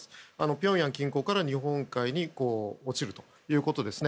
ピョンヤン近郊から日本海に落ちるということですね。